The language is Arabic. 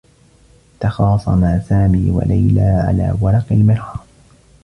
تخاصما سامي و ليلى على ورق المرحاض.